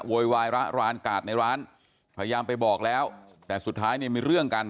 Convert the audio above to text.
โวยวายระรานกาดในร้านพยายามไปบอกแล้วแต่สุดท้ายเนี่ยมีเรื่องกัน